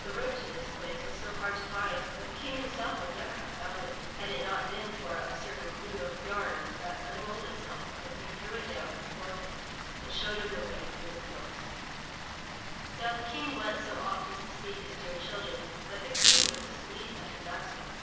The road to this place was so hard to find, that the King himself would never have found it, had it not been for a certain clew of yam that unrolled itself when he threw it down before him and showed him the way through the forest. 363 MY BOOK HOUSE Now the King went so often to see his dear children that the Queen was displeased at his absence.